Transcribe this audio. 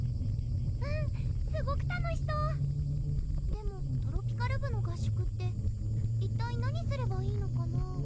うんすごく楽しそうでもトロピカる部の合宿って一体何すればいいのかな？